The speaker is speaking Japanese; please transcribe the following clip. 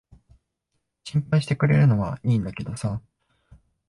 心配してくれるのは良いんだけどさ。